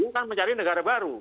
itu kan mencari negara baru